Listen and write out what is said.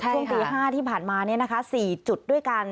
ช่วงตี๕ที่ผ่านมา๔จุดด้วยกัน